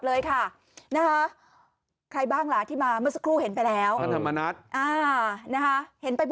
ลงทุกภาพไง